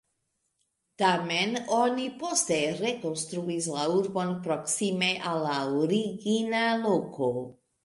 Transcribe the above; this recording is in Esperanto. Tamen oni poste rekonstruis la urbon proksime al la origina loko.